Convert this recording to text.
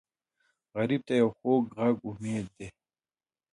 غریب ته یو خوږ غږ امید دی